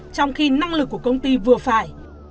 trong khi năng lực của công ty vừa phải